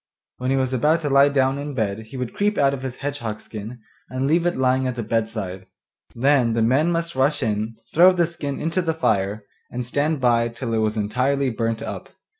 When he was about to lie down in bed he would creep out of his hedgehog skin, and leave it lying at the bedside; then the men must rush in, throw the skin into the fire, and stand by till it was entirely burnt up.